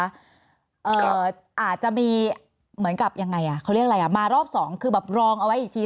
อาจจะมีเหมือนกับยังไงอ่ะเขาเรียกอะไรอ่ะมารอบสองคือแบบรองเอาไว้อีกที